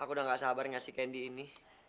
aku udah gak sabar ngasih kendi ini